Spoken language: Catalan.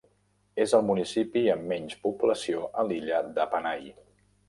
És el municipi amb menys població a l'illa de Panay.